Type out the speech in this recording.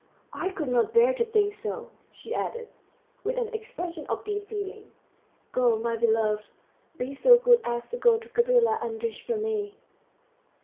I could not bear to think so," she added, with an expression of deep feeling. "Go, my love; be so good as to go to Gavrila Andreitch for me."